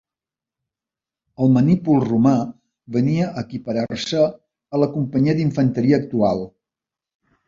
El manípul romà venia a equiparar-se a la companyia d'infanteria actual.